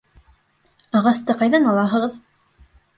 — Ағасты ҡайҙан алаһығыҙ?